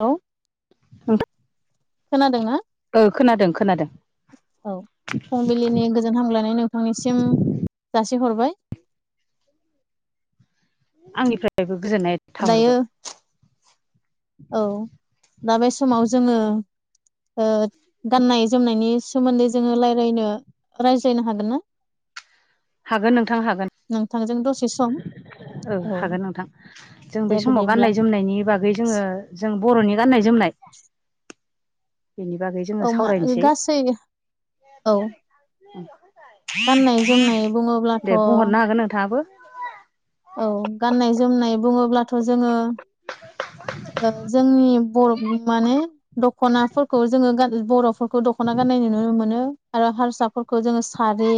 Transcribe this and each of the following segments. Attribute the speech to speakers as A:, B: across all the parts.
A: औ खोनादोंना
B: ओं खोनादों खो
A: औ फुंबिलिनि गोजोन हामलायनाय नोंथांनिसिम जासि हरबाय।
B: आंनिफ्रायबो गोजोननाय थाहरबाय।
A: औ दा बे समाव जोङो। ओ गाननाय जोमनायनि सोमोन्दै जोङो रायज्लायनो रायज्लायनो हागोनना?
B: हागोन नोंथां हागोन।
A: दसे सम
B: औ हागोन नोंथां, जों बे
A: दे
B: समाव
A: बिदिब्ला
B: गाननाय जोमनायनि बागै जोङो जों बर'नि गान्नाय जोमनाय बेनि बागै जोङो
A: औ मा
B: सावरायनोसै।
A: गासै औ गाननाय जोमनाय बुङोब्लाथ'
B: दे बुंहरनो हागोन नोंथाङाबो।
A: औ गाननाय जोमनाय बुङोब्लाथ' जोङो ओ जोंनि बर' माने दख'नाफोरखौ जोङो गान बर'फोरखौ दख'ना गान्नाय नुनो मोनो आरो हारसाफोरखौ जोङो सारि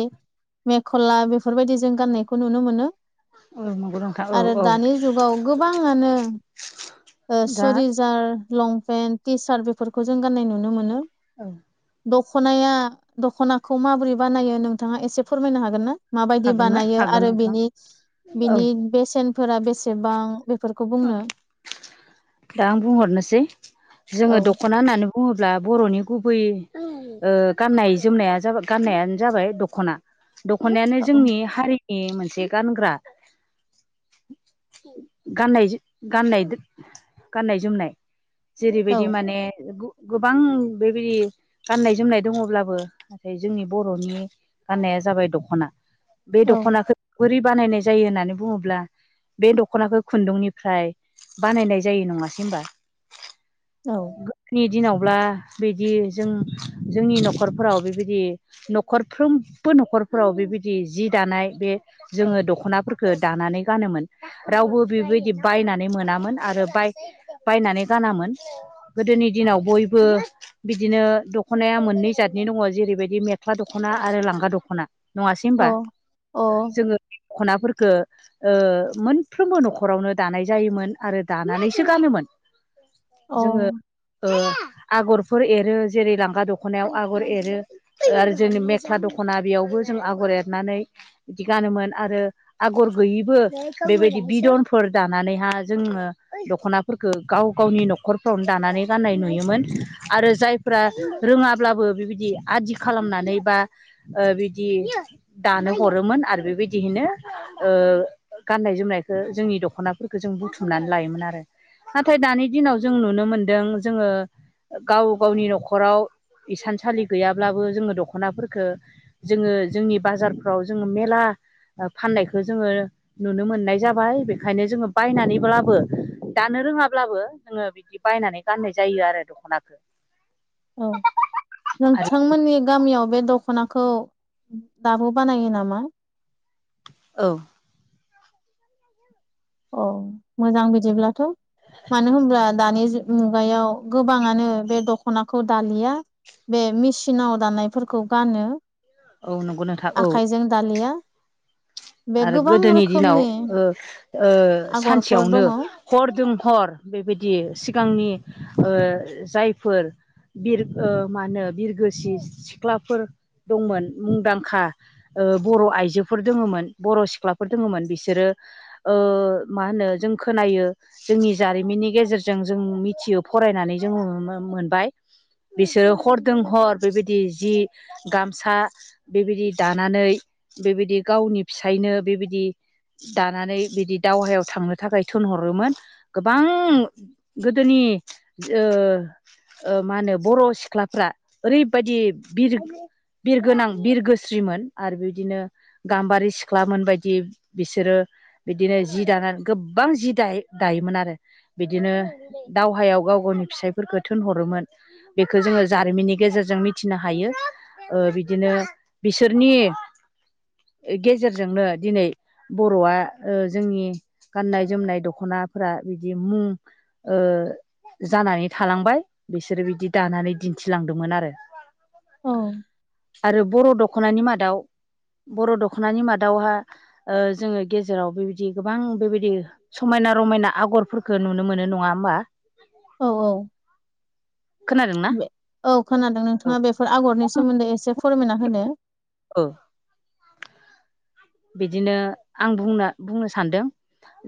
A: मेखला बेफोरबायदि जों गाननायखौ नुनो मोनो।
B: औ नंगौ नोंथां औ
A: आरो
B: औ
A: दानि जुगाव गोबांङानो ओ
B: दा
A: सुरिजार लंपेन्ट टि सार्ट बेफोरखौ जों गाननाय नुनो मोनो।
B: औ
A: दख'नाया दख'नाखौ माबोरै बानायो नोंथाङा एसे फोरमायनो हागोन ना? माबायदि
B: हागोन
A: बानायो
B: हागोन
A: आरो
B: नोंथां
A: बेनि
B: औ
A: बिनि बेसेनफोरा बेसेबां? बेफोरखौ बुंनो
B: दा आं बुंहरनोसै,
A: औ
B: जोङो दख'ना होननानै बुङोब्ला बर'नि गुबै ओ गाननाय-जोमनाय गाननायानो जाबाय दख'ना दख'नायानो
A: औ
B: जोंनि हारि नि मोनसे गानग्रा गाननाय जो गाननाय दो गाननायजोमनाय जेरैबायदि माने गोबां बेबायदि गाननाय-जोमनाय दङब्लाबो नाथाय जोंनि बर'नि गाननाया जाबाय दख'ना। बे
A: औ
B: दख'नाखौ बोरै बानायनाय जायो होननानै बुङोब्ला, बे दख'नाखौ खुन्दुंनिफ्राय बानायनाय जायो। नङासै होनबा?
A: औ
B: दिनावब्ला बिदि जों जोंनि न'खरफोराव बेबायदि न'खरफ्रोमबो न'खरफोराव बेबायदि जि दानाय बे जोङो दख'नाफोरखौ दानानै गानोमोन रावबो बेबायदि बायनानै मोनामोन आरो बाय बायनानै गानामोन गोदोनि दिनाव बयबो बो बिदिनो दख'नाया मोननै जादनि दङ जेरैबायदि मेख्ला दख'ना आरो लांगा दख'ना। नङासै
A: अ
B: होनोमबा?
A: अ औ
B: जोङो दखनाफोरखौ ओ मोनफ्रोमबो न'खर न'खरावनो दानाय जायोमोन आरो दानानैसो गानोमोन जोङो ओ आगरफोर एरो जेरै लांगा दख'नायाव आगर एरो आरो जोंनि मेख्ला दख'ना बेयावबो बो जों आगर एरनानै बिदि गानोमोन आरो आगर गैयैबो बेबायदि बिदन फोर दानानैहा जोङो दख'नाफोरखौ गाव गावनि न'खरफ्रावनो दानानै गाननाय नुयोमोन। आरो जायफ्रा रोङाब्लाबो बिबायदि आदि खालामनानै बा ओ बिदि दानो हरोमोन आरो बेबायदियैनो ओ गाननाय जोमनायखौ जोंनि दख दख'नाफोरखौ जों बुथुमनानै लायोमोन आरो नाथाय दानि दिनाव जों नुनो मोनदों जोङो गाव गावनि न'खराव इसानसालि गैयाब्लाबो जोङो दख'नाफोरखौ जोङो जोंनि बाजारफ्राव जोङो मेला फाननायखौ जोङो नुनो मोननाय जाबाय बेखायनो जोङो बायनानैब्लाबो दानो रोङाब्लाबो जोङो बिदि बायनानै गाननाय जायो आरो दख'नाखौ
A: औ
B: आरो
A: नोंथांमोननि गामियाव बे दख'नाखौ दाबो बानायो नामा?
B: औ।
A: औ मोजां बिदिब्लाथ'। मानो होनब्ला दानि मुगायाव गोबाङानो बे दख'नाखौ दालिया बे मेसिनाव दानायफोरखौ गानो
B: औ नंगौ नोंथां औ
A: आखाइजों दालिया बे
B: आरो
A: गोबां
B: गोदोनि दिनाव
A: रोखोमनि
B: ओ-ओ
A: आगरफोर
B: सानसेयावनो
A: दङ औ
B: हरदों हर बेबायदि सिगांनि ओ जायफोर बिर ओ मा होनो बिरगोसि सिख्लाफोर दंमोन मुंदांखा ओ बर' आइजोफोर दोङोमोन बर' सिख्लाफोर दङमोन बिसोरो ओ मा होनो जों खोनायो जोंनि जारिमिन नि गेजेरजों जों मिथियो फरायनानै जोङो मो-मो मोनबाय। बिसोरो हरदों हर बेबायदि जि गामसा बेबायदि दानानै बेबायदि गावनि फिसायनो बेबायदि दानानै बिदि दावहायाव थांनो थाखाय थिनहरोमोन गोबां गोदोनि नि ओ ओ मा होनो बर' सिख्लाफ्रा ओरैबायदि बिर बिरगोनां बिरगोस्रिमोन आरो बिदिनो गाम्बारि सि ख्लामोन बायदि बिसोरो बिदिनो जि दानानै गोबां जि दा दायोमोन आरो बिदिनो दावहायाव गाव गावनि फिसायफोरखौ थोनहरोमोन बेखौ जोङो जारिमिननि गेजेरजों मिथिनो हायो ओ बिदिनो बिसोरनि गेजेरजोंनो दिनै बर'आ ओ जोंनि गाननाय जोमनाय दख'नाफोरा बिदि मुं ओ जानानै थालांबाय बिसोरो बिदि दानानै दिन्थिलांदोंमोन आरो आरो बर' दख'नानि मादाव बर' दख'नानि मादावहा जोङो गेजेराव बेबायदि गोबां बेबायदि समायना रमायना आगर आगरफोरखौ नुनो मोनो नङा होमबा
A: औ औ।
B: खोनादोंना
A: औ खोनादों
B: औ
A: नोंथाङा बेफोर आगरनि सोमोन्दै एसे फोरमायना होदो।
B: औ बिदिनो आं बुंनो बुंनो सानदों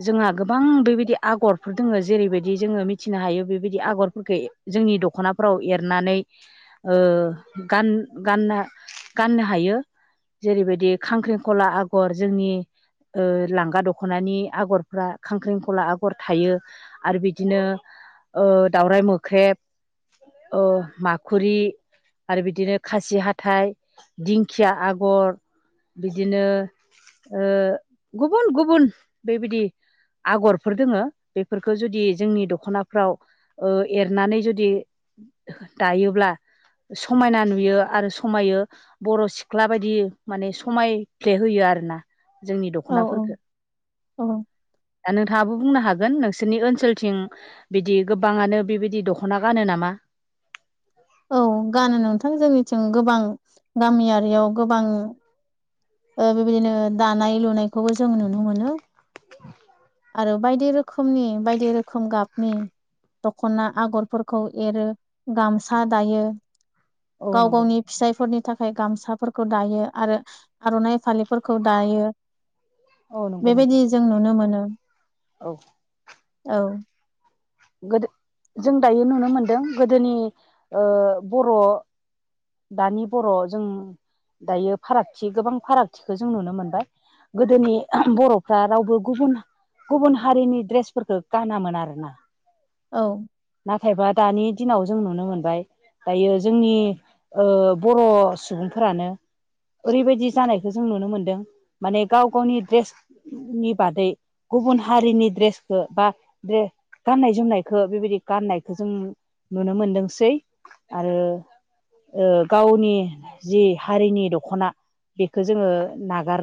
B: जोंहा गोबां बेबायदि आगरफोर दोङो जेरैबायदि जोङो मिथिनो हायो बेबायदि आगरफोरखौ जोंनि दख'नाफ्राव एरनानै ओ गान गानना गाननो हायो जेरैबायदि खांख्रिंखला आगर जोंनि ओ लांगा दख'नानि आगरफ्रा खांख्रेंखला आगर थायो आरो बिदिनो ओ दावराइ मोख्रेब ओ माखुरि आरो बिदिनो खासि हाथाय दिंखिया आगर बिदिनो ओ गुबुन गुबुन बेबायदि आगरफोर दोङो बेफोरखौ जुदि जोंनि दखनाफ्राव ओ एरनानै जुदि दायोब्ला समायना नुयो आरो समायो बर' सिख्ला बायदि माने समायफ्ले होयो आरो ना जोंनि
A: औ औ
B: दख'नाफोरखौ
A: औ
B: दा नोंथाङाबो बुंनो हागोन नोंसोरनि ओनसोलथिं बिदि गोबाङानो बेबायदि दख'ना गानो नामा?
A: औ औ गानो नोंथां जोंनिथिं गोबां गामियारियाव गोबां ओ बेबायदिनो दानाय लुनायखौबो जों नुनो मोनो आरो बायदि रोखोमनि बायदि रोखोम गाबनि दख'ना आगरफोरखौ एरो गामसा दायो।
B: औ
A: गाव
B: नंगौ
A: गावनि
B: नोंथां
A: फिसायफोरनि थाखाय गामसाफोरखौ दायो आरो आर'नाइ फालिफोरखौ दायो
B: औ नंगौ नोंथां
A: बेबायदि
B: औ
A: जों नुनो मोनो
B: औ
A: औ
B: गोदो जों दायो नुनो मोनदों गोदोनि बर' दानि बर' जों दायो फारागथि गोबां फारागथिखौ जों नुनो मोनबाय गोदोनि बर'फ्रा रावबो गुबुन गुबुन हारिनि ड्रेसफोरखौ गानामोन आरोना
A: औ
B: नाथायबा दानि दिनाव जों नुनो मोनबाय दायो जोंनि ओ बर' सुबुंफोरानो ओरैबायदि जानायखौ जों नुनो मोनदों माने गाव गावनि ड्रेसनि बादै गुबुन हारिनि ड्रेसखौ बा गाननाय जोमनायखौ बेबायदि गाननायखौ जों नुनो मोनदोंसै आरो ओ गावनि जि हारिनि दख'ना बेखौ जोङो नागार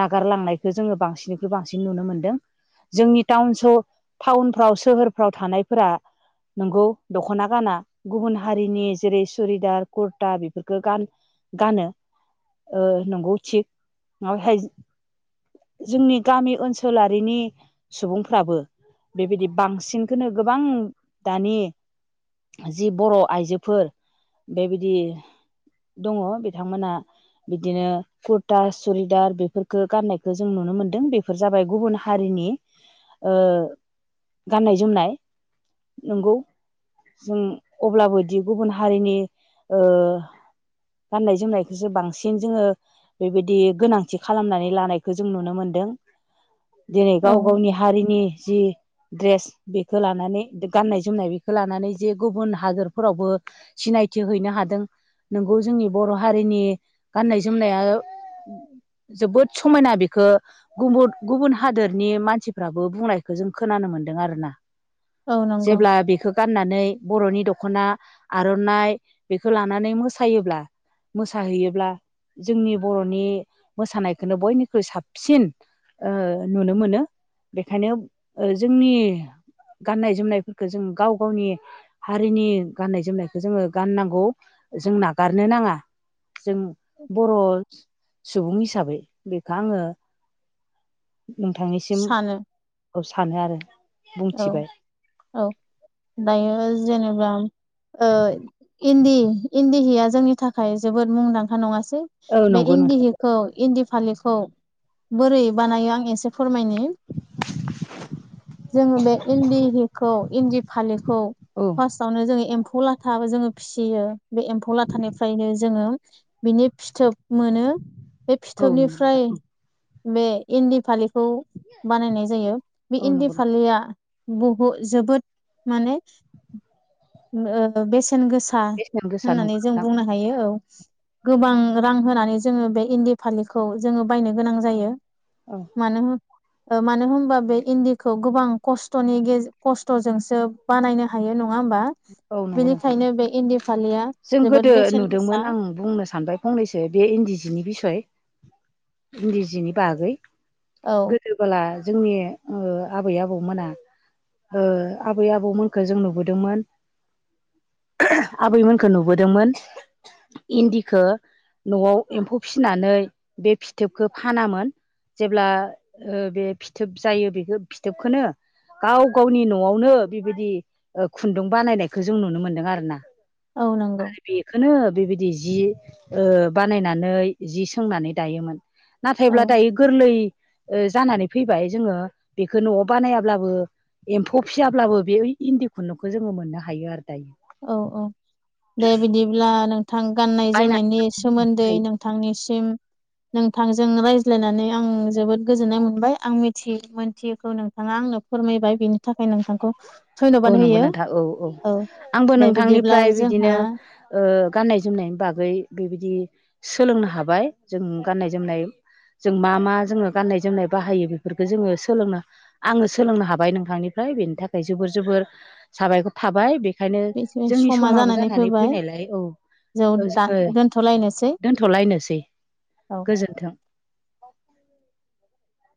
B: नागारलांनायखौ जोङो बांसिन निख्रुइ बांसिन नुनो मोनदों। जोंनि टाउन स टाउनफ्राव सोहोरफ्राव थानायफोरा
A: [inaudible]
B: नंगौ दख'ना गाना गुबुन हारिनि जेरै सुरिदार कुरता बेफोरखौ गान गानो ओ नंगौ थिग माबेहाय जोंनि गामि ओनसोलारिनि सुबुंफ्राबो बेबायदि बांसिनखौनो गोबां दानि जि बर' आइजोफोर बेबायदि दङ बिथांमोना बिदिनो कुरता सुरिदार बेफोरफोरखौ गाननायखौ जों नुनो मोनदों बेफोर जाबाय गुबुन हारि नि ओ गानाय जोमनाय नंगौ जों अब्लाबोदि गुबुन हारिनि ओ गाननाय जोमनायखौसो बांसिन जोङो बेबायदि गोनांथि खालामनानै लानायखौ जों नुनो मोनदों
A: [inaudible]
B: दिनै
A: औ
B: गाव गावनि हारिनि जि ड्रेस बेखौ लानानै गाननाय जोमनाय बेखौ लानानै जे गुबुन हादोरफोरावबो सिनायथि हैनो हादों नोंगौ जोंनि बर' हारिनि गाननाय जोमनाया जोबोद समायना बेखौ गुबु गुबुन हादोरनि मानसिफ्राबो बुंनायखौ जों खोनानो मोनदों आरोना
A: औ नंगौ
B: जेब्ला बेखौ गाननानै बर'नि दख'ना आर'नाइ बेखौ लानानै मोसायोब्ला मोसाहैयोब्ला जोंनि बर'नि मोसानायखौनो बयनिख्रुइ साबसिन ओ नुनो मोनो बेखायनो जोंनि गाननाय जोमनाय फोरखौ जों गाव गावनि हारिनि गाननाय जोमनायखौ जोङो गाननांगौ जों नागारनो नाङा जों बर' सुबुं हिसाबै बेखौ आङो नोंथांनिसिम
A: सानो
B: औ सानो आरो
A: औ
B: बुंथिबाय
A: औ दायो जेनेबा ओ इन्दि इन्दि जिया जोंनि थाखाय जोबोद मुंदांखा नङासै
B: औ
A: बे
B: नंगौ नोंथां
A: इन्दिहिखौ इन्दि फालिखौ बोरै बानायो आं एसे फोरमायनि जोङो बे इन्दि हिखौ, इन्दि फालिखौ
B: औ
A: फार्स्टावनो जोङो एम्फौ लाथाबो जोङो फिसियो, बे एम्फौ लाथानिफ्रायनो जोङो बिनि फिथोब मोनो। बे
B: औ नंगौ नोंथां
A: फिथोबनिफ्राय
B: औ
A: बे इन्दि फालि खौ बानायनाय जायो। बे
B: औ
A: इन्दि
B: नंगौ नोंथां
A: बुहु जोबोद माने ओ बे बेसेन गोसा
B: बेसेन गोसा
A: होननानै
B: नंगौ
A: जों
B: नोंथां
A: बुंनो हायो औ। गोबां रां होनानै जोङो बे इन्दि फालिखौ जोङो बायनो गोनां जायो।
B: औ
A: मानो होम मानो होमबा बे इन्दि खौ गोबां खस्थ'नि गे खस्थ'जोंसो बानायनो हायो न ङा होमबा?
B: औ नंगौ नोंथां
A: बेनिखायनो बे इन्दि फालिया
B: जों
A: जोबोद
B: गोदो
A: बेसेन गोसा
B: नुदोंमोन आं बुंनो सानबाय फंनैसो बे इन्दि जिनि बिसय इन्दि जिनि बागै,
A: औ
B: गोदोबोला जोंनि ओ आबै-आबौमोना ओ आबै आबौमोनखौ जों नुबोदोंमोन आबैमोन खो नुबोदोंमोन इन्दिखो न'आव एम्फौ फिसिनानै बे फिथोबखौ फानामोन जेब्ला ओ बे फिथोब जायो बेखौ फिथोबखौनो गाव गावनि न'आवनो बेबायदि खुन्दुं बानायनायखौ जों नुनो मोनदों आरो ना।
A: औ नंगौ
B: बेखौनो बेबायदि जि ओ बानायनानै जि सोंनानै दायोमोन।
A: औ
B: नाथायब्ला दायो गोरलै जानानै फैबाय जोङो बेखौ न'आव बानायाब्लाबो एम्फौ फियाब्लाबो बे इन्दि खुन्दुंखौ जोङो मोननो हायो आरो दायो।
A: औ औ दे बिदिब्ला नों थां
B: बायनानै
A: गाननाय-जोमनायनि सोमोन्दै
B: हायो
A: नोंथांनिसिम नोंथांजों रायज्लायनानै आं जोबोद गोजोननाय मोनबाय आं मिथि मोनथियखौ नोंथाङा आंनो फोरमायबाय बिनि थाखाय नोंथांखौ
B: औ
A: धन्य'बाद
B: नंगौ
A: होयो।
B: नोंथां औ
A: औ
B: आंबो
A: दे बिदिब्ला
B: नोंथांनिफ्राय
A: जोंहा
B: बिदिनो ओ गाननाय-जोमनायनि बागै बेबायदि सोलोंनो हाबाय जों गाननाय जोमनाय जों मा मा जोङो गाननाय जोमनाय बाहायो बेफोरफोरखौ जोङो सोलोंनो आङो सोलोंनो हाबाय नोंथांनि फ्राय बेनि थाखाय जोबोर जोबोर साबायखर थाबाय। बे खायनो
A: बे
B: जोंनि
A: समा
B: समाबो जानानै
A: फैबाय
B: फैनायलाय औ
A: जौ दा
B: जोङो
A: दोनथ'लायनोसै
B: दोनथ'लायनोसै
A: औ
B: गोजोन्थों।